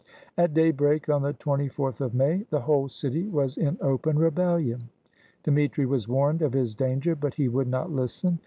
At daybreak on the 24th of May, the whole city was in open rebellion. Dmitri was warned of his danger, but he would not listen.